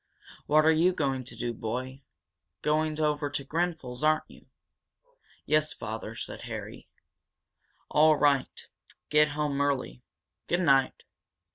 What are you going to do, boy? Going over to Grenfel's, aren't you?" "Yes, father," said Harry. "All right. Get home early. Good night!"